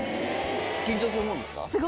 緊張するもんですか？